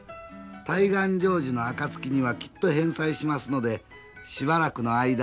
大願成就の暁にはきっと返済しますのでしばらくの間」。